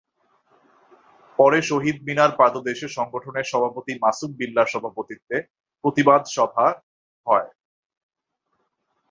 পরে শহীদ মিনার পাদদেশে সংগঠনের সভাপতি মাসুম বিল্লাহর সভাপতিত্বে প্রতিবাদ সভা হয়।